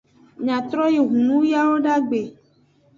Miatroayi hunun yawodagbe.